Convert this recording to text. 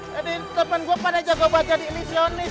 jadi temen gue pada jago baca di emisi on list